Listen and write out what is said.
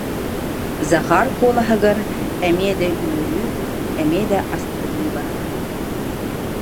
Захар куолаһыгар эмиэ да үөрүү, эмиэ да астыныы баара